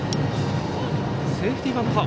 セーフティーバント。